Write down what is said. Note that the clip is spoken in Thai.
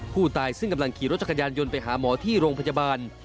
ผู้ตายซึ่งกำลังขี่รถจักรยานยนต์ไปหาหมอที่โรงพยาบาล